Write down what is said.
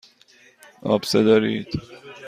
آبسه دارید.